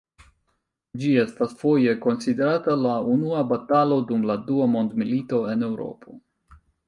Ĝi estas foje konsiderata la unua batalo dum la dua mondmilito en Eŭropo.